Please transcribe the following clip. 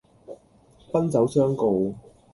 奔走相告